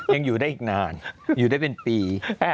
ยังอยู่ได้อีกนานอยู่ได้เป็นปี